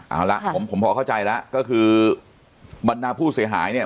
เอาละผมผมพอเข้าใจแล้วก็คือบรรดาผู้เสียหายเนี่ย